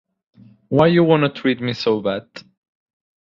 "Why You Wanna Treat Me So Bad?"